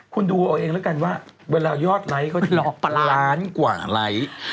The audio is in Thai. คุณดูเอาเองแล้วกันว่าเวลายอดไลค์เขาจะออกล้านกว่าไลค์